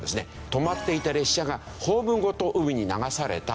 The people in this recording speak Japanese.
止まっていた列車がホームごと海に流されたという。